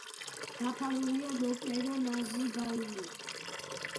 დაფარულია მოკლე და ნაზი ბალნით.